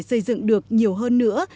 xây dựng được nhiều hơn nữa